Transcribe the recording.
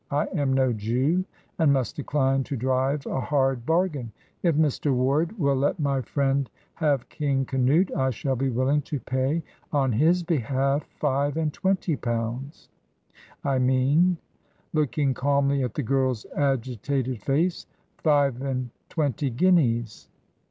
"I am no Jew, and must decline to drive a hard bargain. If Mr. Ward will let my friend have 'King Canute,' I shall be willing to pay, on his behalf, five and twenty pounds: I mean" looking calmly at the girl's agitated face "five and twenty guineas."